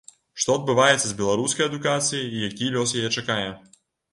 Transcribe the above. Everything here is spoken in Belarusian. Што адбываецца з беларускай адукацыяй і які лёс яе чакае?